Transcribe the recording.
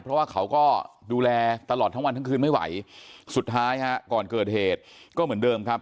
เพราะว่าเขาก็ดูแลตลอดทั้งวันทั้งคืนไม่ไหวสุดท้ายฮะก่อนเกิดเหตุก็เหมือนเดิมครับ